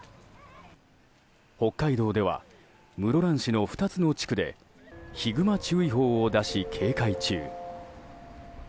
北海道では室蘭市の２つの地区でヒグマ注意報を出し警戒中。